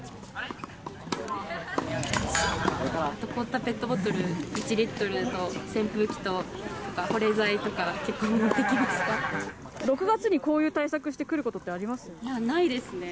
凍ったペットボトル１リットルと、扇風機と保冷剤とか、６月にこういう対策してくるいや、ないですね。